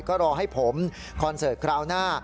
ก็รอให้ผมคอนเสิร์ตคราวหน้า